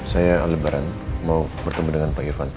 saya ali baran mau bertemu dengan pak irfan